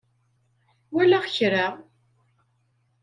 Walaɣ kra.